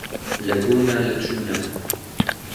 لە بوونا لە چوونا